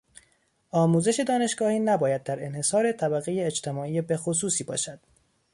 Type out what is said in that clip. آموزش دانشگاهی نباید در انحصار طبقهی اجتماعی بخصوصی باشد.